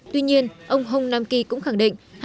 tuy nhiên ông hong nam ki cũng khẳng định